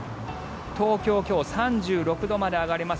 東京、今日３６度まで上がります。